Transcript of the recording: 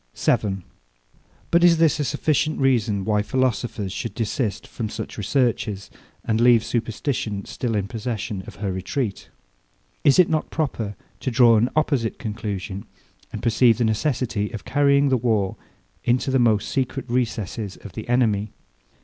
7. But is this a sufficient reason, why philosophers should desist from such researches, and leave superstition still in possession of her retreat? Is it not proper to draw an opposite conclusion, and perceive the necessity of carrying the war into the most secret recesses of the enemy?